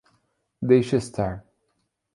Deixe estar.